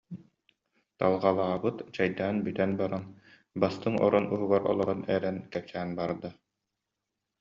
Талҕалаабыт чэйдээн бүтэн баран, бастыҥ орон уһугар олорон эрэн кэпсээн барда